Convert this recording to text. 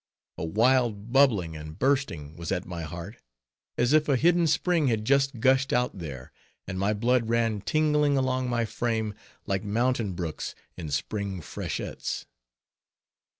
A wild bubbling and bursting was at my heart, as if a hidden spring had just gushed out there; and my blood ran tingling along my frame, like mountain brooks in spring freshets.